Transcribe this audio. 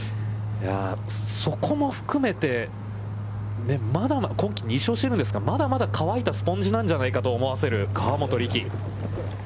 そこまで含めて、２勝しているんですから、まだまだ乾いたスポンジなんじゃないかと思わせる河本力。